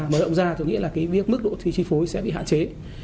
mở rộng ra thì nghĩa là cái mức độ chi phối sẽ bị hạn chế